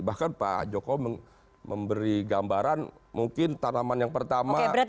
bahkan pak jokowi memberi gambaran mungkin tanaman yang pertama hanya dua kali